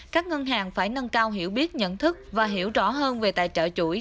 các ngân hàng phải nâng cao hiểu biết nhận thức và hiểu rõ hơn về tài trợ chuỗi